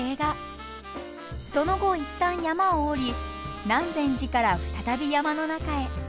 その後一旦山を下り南禅寺から再び山の中へ。